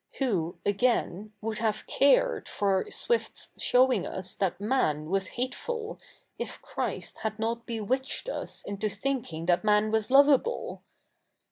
Who, again, would have cared for Swiff s showi?ig us that man was hateful, if Christ had not bewitched us into thinking that man was loveable